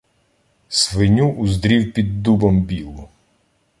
Свиню уздрів під дубом білу